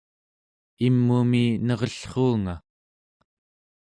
im'umi nerellruunga